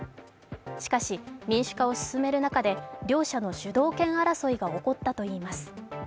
しかし民主化を進める中で両者の主導権争いが起こったといいます。